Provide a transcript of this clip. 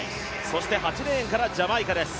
８レーンからジャマイカです。